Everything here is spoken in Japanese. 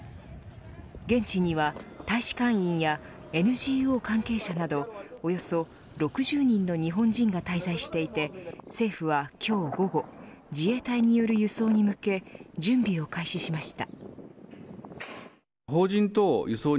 現地には大使館員やＮＧＯ関係者などおよそ６０人の日本人が滞在していて政府は、今日午後自衛隊による輸送に向け準備を開始しました。